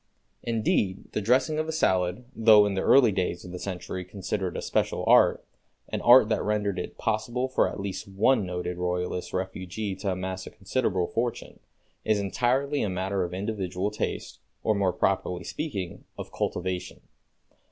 Indeed, the dressing of a salad, though in the early days of the century considered a special art, an art that rendered it possible for at least one noted Royalist refugee to amass a considerable fortune, is entirely a matter of individual taste, or, more properly speaking, of cultivation.